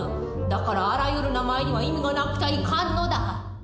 だからあらゆる名前には意味がなくちゃいかんのだ！